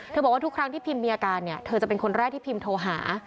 บอกว่าทุกครั้งที่พิมมีอาการเนี่ยเธอจะเป็นคนแรกที่พิมโทรหา